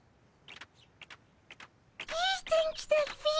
いい天気だっピ。